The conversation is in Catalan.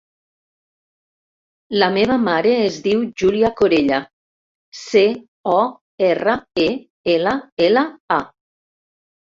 La meva mare es diu Júlia Corella: ce, o, erra, e, ela, ela, a.